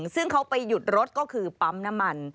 ซึ่งเขาไปหยุดรถก็คือปั๊มน้ำมัน